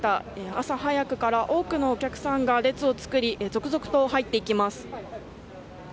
朝早くから多くのお客さんが列を作り続々と入っていきます。